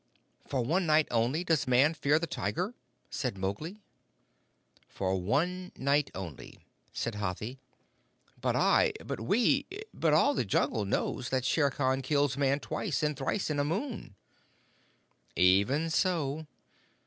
"For one night only does Man fear the Tiger?" said Mowgli. "For one night only," said Hathi. "But I but we but all the Jungle knows that Shere Khan kills Man twice and thrice in a moon." "Even so.